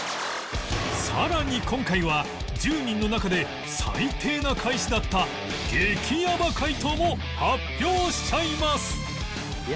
さらに今回は１０人の中で最低な返しだった激やば回答も発表しちゃいます